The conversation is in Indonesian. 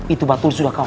itu batul sudah kau